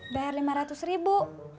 bayar lima ratus ribu